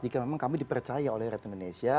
jika memang kami dipercaya oleh rakyat indonesia